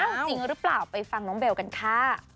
จริงหรือเปล่าไปฟังน้องเบลกันค่ะ